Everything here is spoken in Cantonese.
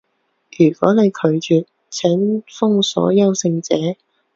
如果你拒絕，請封鎖優勝者